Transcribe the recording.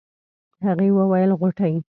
هغې وويل غوټۍ.